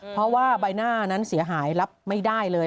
เพราะว่าใบหน้านั้นเสียหายรับไม่ได้เลย